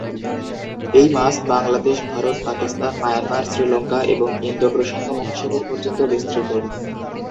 এই মাছ বাংলাদেশ, ভারত, পাকিস্তান, মায়ানমার, শ্রীলঙ্কা এবং ইন্দো প্রশান্ত মহাসাগর পর্যন্ত বিস্তৃত।